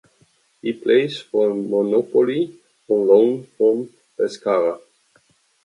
He plays for Monopoli on loan from Pescara.